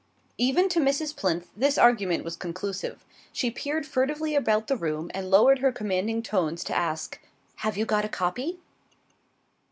Even to Mrs. Plinth this argument was conclusive. She peered furtively about the room and lowered her commanding tones to ask: "Have you got a copy?"